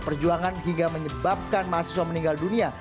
perjuangan hingga menyebabkan mahasiswa meninggal dunia